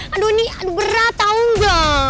aduh ini berat tau nggak